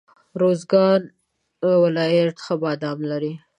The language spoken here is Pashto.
روزګان ولایت ښه بادام لري.